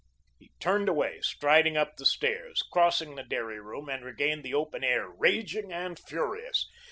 He turned away, striding up the stairs, crossing the dairy room, and regained the open air, raging and furious.